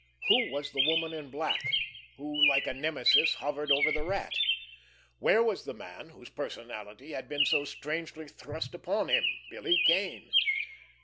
Who was the Woman in Black, who, like a Nemesis, hovered over the Rat? Where was the man whose personality had been so strangely thrust upon him, Billy Kane?